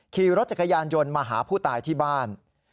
ขี่รถจักรยานยนต์มาหาผู้ตายที่บ้าน